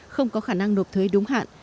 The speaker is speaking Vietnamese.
không có khả năng nộp thuế đúng hạn